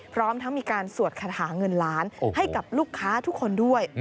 พร้อมทั้งมีการสวดคาถาเงินล้านให้กับลูกค้าทุกคนด้วย